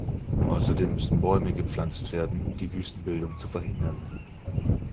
Außerdem müssen Bäume gepflanzt werden, um die Wüstenbildung zu verhindern.